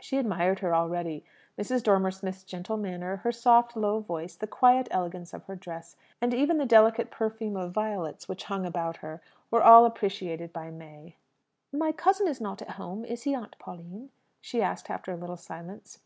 She admired her already. Mrs. Dormer Smith's gentle manner, her soft, low voice, the quiet elegance of her dress, and even the delicate perfume of violets which hung about her, were all appreciated by May. "My cousin is not at home, is he, Aunt Pauline?" she asked after a little silence.